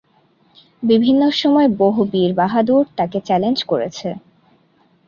বিভিন্ন সময় বহু বীর-বাহাদুর তাকে চ্যালেঞ্জ করেছে।